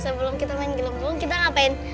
sebelum kita main gelembung kita ngapain